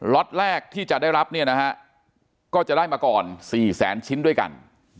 ล็อตแรกที่จะได้รับเนี่ยนะฮะก็จะได้มาก่อน๔แสนชิ้นด้วยกัน